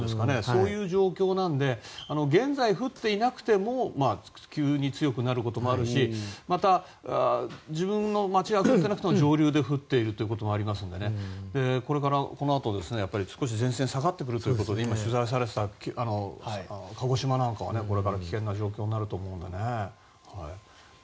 そういう状況なので現在、降っていなくても急に強くなることもあるし自分の町で降っていなくても上流で降っていることもありますのでこのあと、少し前線が下がってくるということなので今、取材されていた鹿児島なんかはこれから危険な状況になると思うので。